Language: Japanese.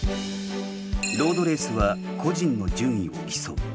ロードレースは個人の順位を競う。